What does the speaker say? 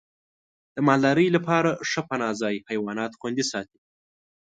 د مالدارۍ لپاره ښه پناه ځای حیوانات خوندي ساتي.